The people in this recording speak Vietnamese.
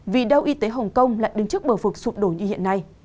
vì đâu y tế hồng kông lại đứng trước bờ vực sụp đổ như hiện nay